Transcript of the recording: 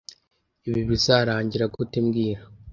Ibi bizarangira gute mbwira